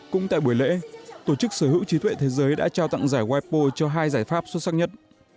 cũng tại buổi lễ tổ chức sở hữu trí tuệ thế giới đã trao tặng giải wipo cho hai giải pháp xuất sắc nhất